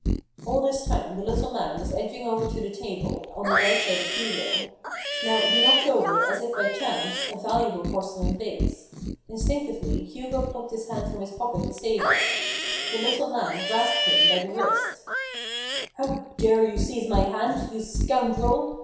All this time the little man was edging over to the table, on the right side of Hugo. Now he knocked over, as if by chance, a valuable porcelain vase. Instinctively, Hugo plucked HUGO raven's hand. i8j his hand from his pocket to save it. The little man grasped him by the wrist. " How dare you seize my hand ! you scoundrel